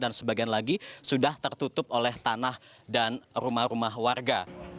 dan sebagian lagi sudah tertutup oleh tanah dan rumah rumah warga